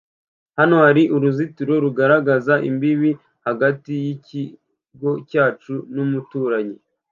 hano hari uruzitiro rugaragaza imbibi hagati yikigo cyacu n'umuturanyi